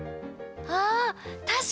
ああたしかに！